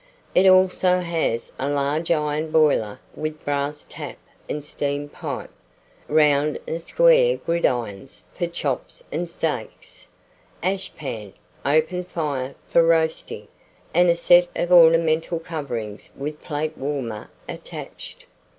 It also has a large iron boiler with brass tap and steam pipe, round and square gridirons for chops and steaks, ash pan, open fire for roasting, and a set of ornamental covings with plate warmer attached.